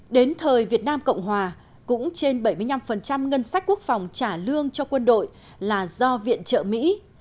đến thời việt nam cộng hòa cũng trên bảy mươi năm ngân sách quốc phòng trả lương cho quân đội là do viện trợ mỹ